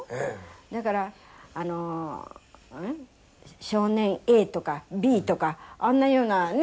「だからあの“少年Ａ”とか“Ｂ”とかあんなようなね